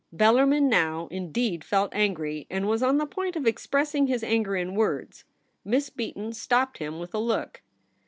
Bellarmin now, indeed, felt angry, and was on the point of expressing his anger in words Miss Beaton stopped him with a look.